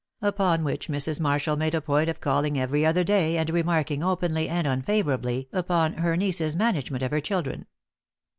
Upon which Mrs. Marshall made a point of calling every other day and remarking openly and unfavourably upon her niece's management of her children.